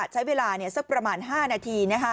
ใช้เวลาสักประมาณ๕นาที